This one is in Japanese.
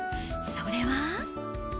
それは。